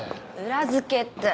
裏付けって？